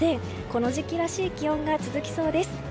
この時期らしい気温が続きそうです。